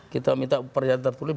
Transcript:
kita minta perjalanan tertulis